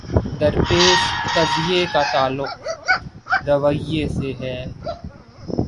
درپیش قضیے کا تعلق رویے سے ہے۔